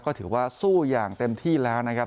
ก็ถือว่าสู้อย่างเต็มที่แล้วนะครับ